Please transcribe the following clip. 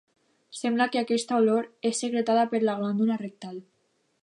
Sembla que aquesta olor és secretada per la glàndula rectal.